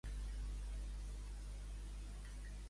Ser com una ostra, dura per fora, tova per dintre i amb perla.